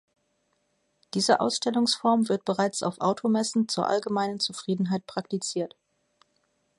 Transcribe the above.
Diese Ausstellungsform wird bereits auf Automessen zur allgemeinen Zufriedenheit praktiziert.